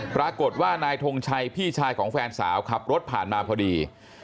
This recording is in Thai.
ปรากฏว่านายทงชัยพี่ชายของแฟนสาวขับรถผ่านมาพอดี